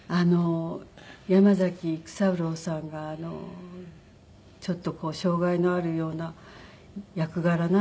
山崎育三郎さんがちょっと障害のあるような役柄なんですけども。